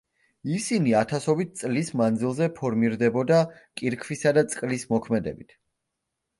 ისინი ათასობით წლის მანძილზე ფორმირდებოდა კირქვისა და წყლის მოქმედებით.